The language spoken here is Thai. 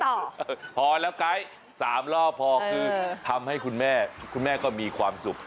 เวลาพอพอแล้วไก๊สามรอบค่ะทำให้คุณแม่คุณแม่ความสุข